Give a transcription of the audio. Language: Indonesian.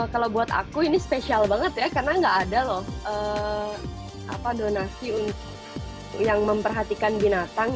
kalau buat aku ini spesial banget ya karena nggak ada loh donasi yang memperhatikan binatang